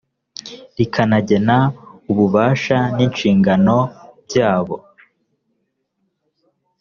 rikanagena ububasha n inshingano byabo